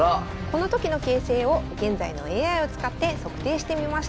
この時の形勢を現在のＡＩを使って測定してみました。